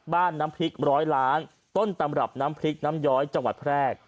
น้ำพริกร้อยล้านต้นตำรับน้ำพริกน้ำย้อยจังหวัดแพร่